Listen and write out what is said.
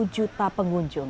satu juta pengunjung